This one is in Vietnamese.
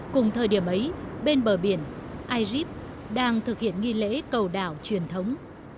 cùng thời điểm ấy bên bờ biển ai rip đang thực hiện nghi lễ cầu đảo truyền thống